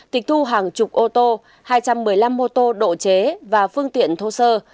tịch thu hàng chục ô tô hai trăm một mươi năm mô tô độ chế và phương tiện thô sơ